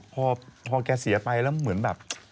พอแกเสียไปแล้วเหมือนแบบ